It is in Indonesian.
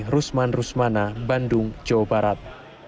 rusman rusmana bandung jawa barat